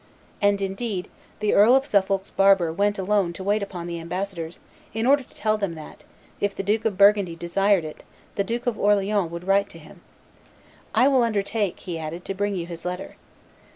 And, indeed, the Earl of Suffolk's barber went alone to wait upon the ambassadors in order to tell them that, if the Duke of Burgundy desired it, the Duke of Orleans would write to him. "I will undertake," he added, "to bring you his letter."